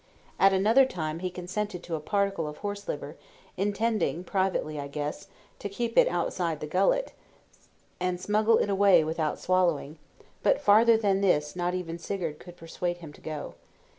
At another time he consented to a particle of horse liver, intending privately, I guess, to keep it outside the gullet, and smuggle it away without swallowing; but farther than this not even Sigurd could persuade him to go.